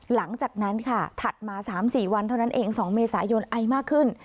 หลังจากนั้นค่ะถัดมา๓๔วันเท่านั้นเอง๒เมษายนไอมากขึ้น